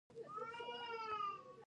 نږدې پېژندنه توپیر بدلوي.